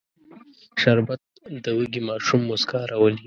شربت د وږي ماشوم موسکا راولي